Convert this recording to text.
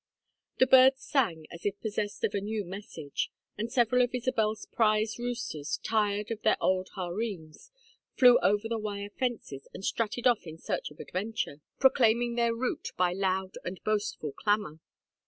The birds sang as if possessed of a new message; and several of Isabel's prize roosters, tired of their old harems, flew over the wire fences and strutted off in search of adventure, proclaiming their route by loud and boastful clamor.